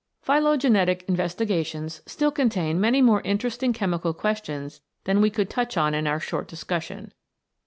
Phylogenetic investigations still contain many more interesting chemical questions than we could touch on in our short discussion.